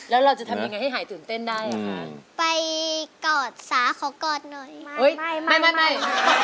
แล้วเราจะทำยังไงให้หายตื่นเต้นได้อ่ะคะไปกอดสาขอกอดหน่อยไหมไม่ไม่ไม่